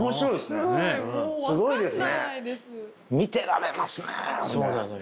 すごいですね。